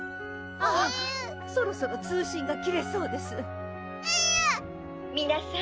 えるぅそろそろ通信が切れそうですえる「皆さん